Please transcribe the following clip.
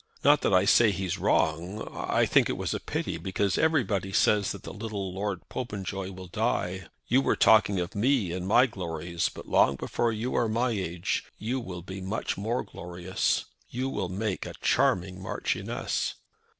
Not that I say he's wrong. I think it was a pity, because everybody says that the little Lord Popenjoy will die. You were talking of me and my glories, but long before you are my age you will be much more glorious. You will make a charming Marchioness."